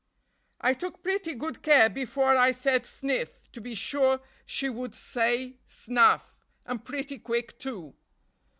"I took pretty good care, before I said 'sniff,' to be sure she would say 'snaff,' and pretty quick, too.